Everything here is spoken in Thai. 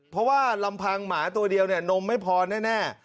เพราะว่าลำพังหมาตัวเดียวนมไม่พอแน่